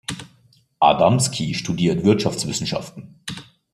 Adamski studiert Wirtschaftswissenschaften.